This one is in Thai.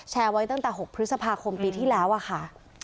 ไว้ตั้งแต่๖พฤษภาคมปีที่แล้วอะค่ะ